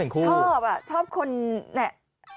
โรงพยาบาล